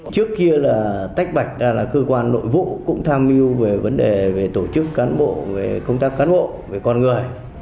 cơ quan nội vụ cũng tham mưu về vấn đề về tổ chức cán bộ về công tác cán bộ về con người